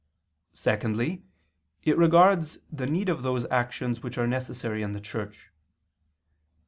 Secondly, it regards the need of those actions which are necessary in the Church.